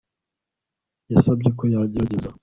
yasabye ko yagerageza